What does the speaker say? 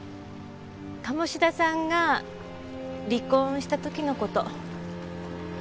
鴨志田さんが離婚した時の事。